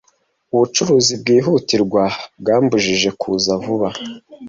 Ubucuruzi bwihutirwa bwambujije kuza vuba.